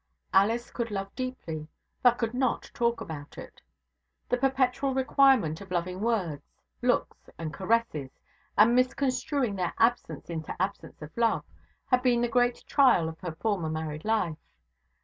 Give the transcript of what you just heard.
Alice could love deeply, but could not talk about it. The perpetual requirement of loving words, looks, and caresses, and misconstruing their absence into absence of love, had been the great trial of her former married life.